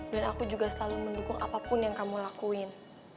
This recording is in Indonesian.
dan aku juga selalu mendukung apapun yang kamu lakuin